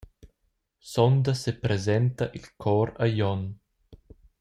Sonda sepresenta il chor a Glion.